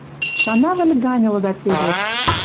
Шанавӹл гань ылыда цевер.